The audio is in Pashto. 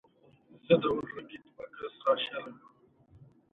د ليکوال په کومه افسانه رغ کړے شوې ده.